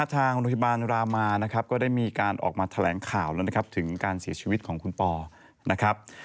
ทางโรงพยาบาลรามานะครับก็ได้มีการออกมาแถลงข่าวแล้วนะครับถึงการเสียชีวิตของคุณปอนะครับ